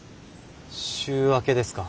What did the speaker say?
週明けですか？